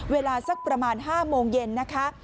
เวลาสักประมาณ๕โมงเย็นนะคะ